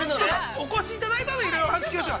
◆お越しいただいたあとに、いろいろお話を聞きましょう。